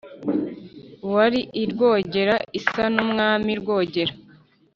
wa ii rwogera)-isa n’umwami rwogera